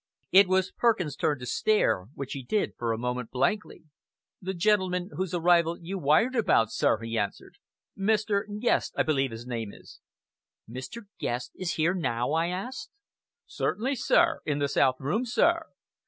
It was Perkins' turn to stare, which he did for a moment blankly. "The gentleman whose arrival you wired about, sir," he answered. "Mr. Guest, I believe his name is." "Mr. Guest is here now?" I asked. "Certainly, sir! In the south room, sir!